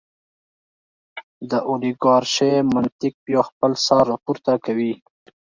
د اولیګارشۍ منطق بیا خپل سر راپورته کوي.